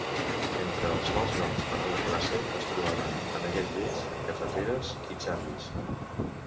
Entre els malnoms per a la classe es trobaven "aneguet lleig", "cafeteres" i "Charlies".